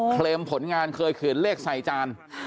เคลมผลงานเคยเขียนเลขใส่จาน